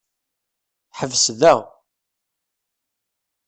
Ḥbes da.